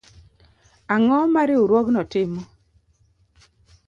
Ang'o ma Riwruogno timo